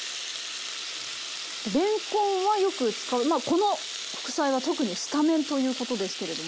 れんこんはよく使うまあこの副菜は特にスタメンということですけれども。